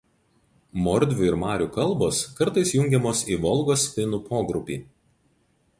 Mordvių ir marių kalbos kartais jungiamos į Volgos finų pogrupį.